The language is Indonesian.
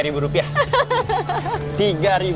rp tiga kembalian saya